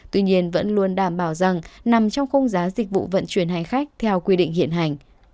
tuy nhiên vẫn luôn đảm bảo rằng nằm trong khung giá dịch vụ vận chuyển hành khách theo quy định hiện hành